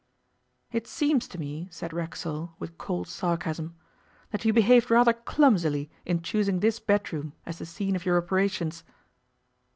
'It seems to me,' said Racksole, with cold sarcasm, 'that you behaved rather clumsily in choosing this bedroom as the scene of your operations.